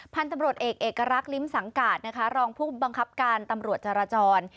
พันธุ์ตำรวจเอกเอกลักษลิ้มสังกาศนะคะรองผู้บังคับการตำรวจจราจร